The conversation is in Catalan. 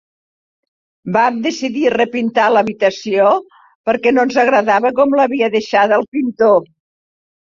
Vam decidir repintar l'habitació perquè no ens agradava com l'havia deixada el pintor.